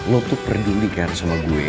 lo tuh peduli kan sama gue